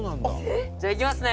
「じゃあいきますね」